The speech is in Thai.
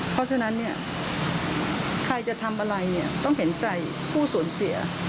เพราะฉะนั้นใครจะทำอะไรต้องเห็นใจผู้ส่วนเสีย